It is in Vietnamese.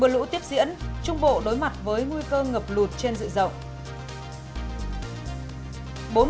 bờ lũ tiếp diễn trung bộ đối mặt với nguy cơ ngập lụt trên dự dọng